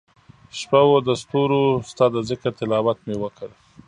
شپه وه دستورو ستا دذکرتلاوت مي وکړ